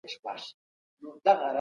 کب په اوبو کي ژوند کوی.